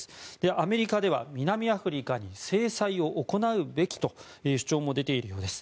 アメリカでは南アフリカに制裁を行うべきという主張も出てきているようでです。